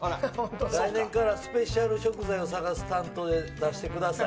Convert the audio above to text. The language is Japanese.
来年からスペシャル食材を探す担当で出してください。